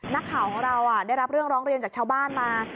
นักข่าวของเราได้รับเรื่องร้องเรียนจากชาวบ้านมา